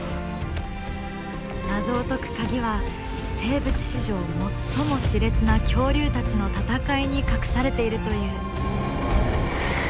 謎を解くカギは生物史上最もしれつな恐竜たちの戦いに隠されているという。